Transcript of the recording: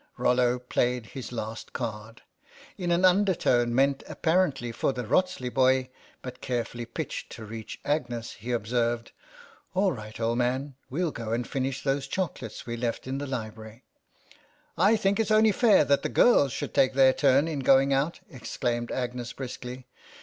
Rollo played his last card. In an under tone meant apparently for the Wrotsley boy, but carefully pitched to reach Agnes, he observed —" All right, old man ; we'll go and finish those chocolates we left in the library." " I think it's only fair that the girls should take their turn in going out," exclaimed Agnes briskly.